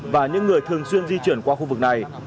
và những người thường xuyên di chuyển qua khu vực này